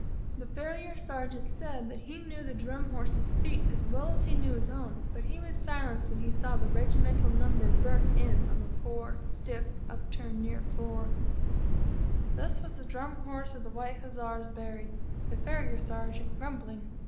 The Farrier Sergeant said that he knew the Drum Horse's feet as well as he knew his own; but he was silenced when he saw the regimental number burnt in on the poor stiff, upturned near fore. Thus was the Drum Horse of the White Hussars buried; the Farrier Sergeant grumbling.